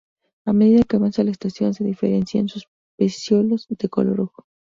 A medida que avanza la estación se diferencian sus pecíolos, de color rojo.